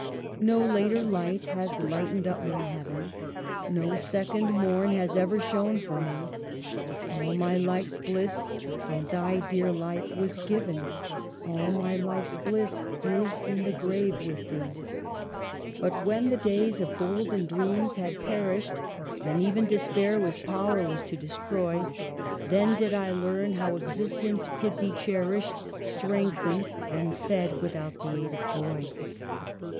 " No later light has lightened up my heaven, No second morn has ever shone for me ; All my life's bliss from thy dear life was given, All my life's bliss is in the grave with thee. 1 82 EMILY BRONTE. " But, when the days of golden dreams had perished, And even Despair was powerless to destroy, Then did I learn how existence could be cherished, Strengthened, and fed without the aid of joy.